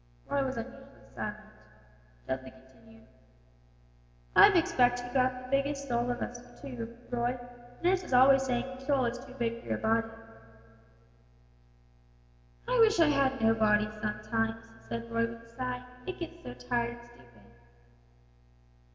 Roy was unusually silent. Dudley continued "I expect you've got the biggest soul of us too, Roy; nurse is always saying your soul is too big for your body." "I wish I had no body sometimes," said Roy, with a sigh; "it gets so tired and stupid."